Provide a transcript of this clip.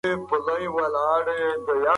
ایا تاسو د سمارټ ښارونو په اړه کوم معلومات لرئ؟